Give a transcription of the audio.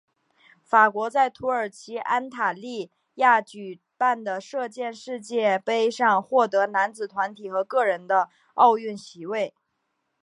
法国在土耳其安塔利亚举办的射箭世界杯上获得男子团体和个人的奥运席位。